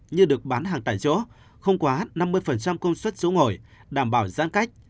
như được bán hàng tại chỗ không quá năm mươi công suất số ngồi đảm bảo giãn cách